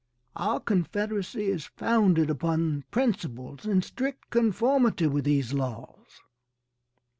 Our confederacy is founded upon principles in strict conformity with these laws.